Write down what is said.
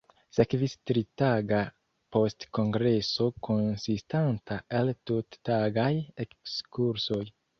Sekvis tritaga postkongreso konsistanta el tuttagaj ekskursoj.